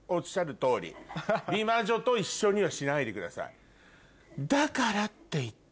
美魔女と一緒にはしないでください。